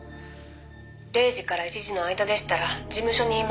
「０時から１時の間でしたら事務所にいました」